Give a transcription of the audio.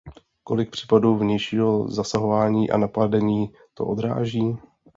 Kolik případů vnějšího zasahování a napadení to odráží?